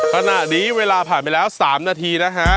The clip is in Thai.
ขณะนี้เวลาผ่านไปแล้ว๓นาทีนะฮะ